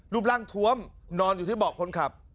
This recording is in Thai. รูปร่างทวมนอนอยู่ที่เบาะคนขับ